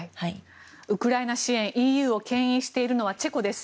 ウクライナ支援ＥＵをけん引しているのはチェコです。